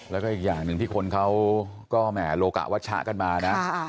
แล้วก็อีกอย่างหนึ่งที่คนเขาก็แหม่โลกะวัชชะกันมานะ